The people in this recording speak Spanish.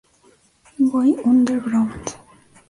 Going Under Ground